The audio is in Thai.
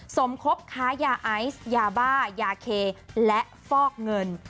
สมคบค้ายาไอซ์ยาบ้ายาเคและฟอกเงิน